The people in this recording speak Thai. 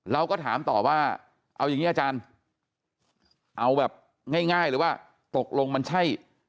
เราก็ถามต่อว่าเอาอย่างนี้อาจารย์เอาแบบง่ายเลยว่าตกลงมันใช่